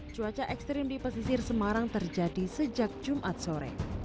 cuaca ekstrim di pesisir semarang terjadi sejak jumat sore